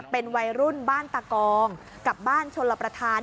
เป็นวัยรุ่นบ้านตะกองกับบ้านชนลประธาน